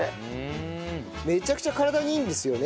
めちゃくちゃ体にいいんですよね？